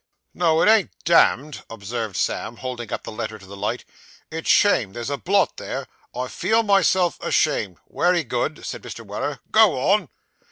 'No; it ain't "damned,"' observed Sam, holding the letter up to the light, 'it's "shamed," there's a blot there "I feel myself ashamed."' 'Wery good,' said Mr. Weller. 'Go on.